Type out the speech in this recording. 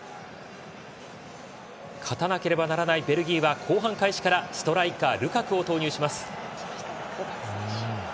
勝たなければならないベルギーは後半開始からストライカールカクを投入します。